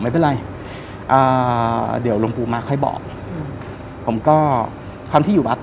ไม่เป็นไรอ่าเดี๋ยวหลวงปู่มาค่อยบอกผมก็คำที่อยู่วัด